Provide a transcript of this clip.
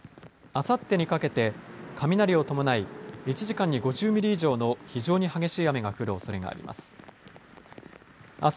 あさってにかけて雷を伴い１時間に５０ミリ以上の非常に激しい雨が降るおそれがあります。